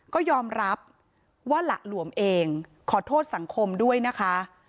ก็ยอมรับว่าหละหลวมเองขอโทษสังคมด้วยนะคะ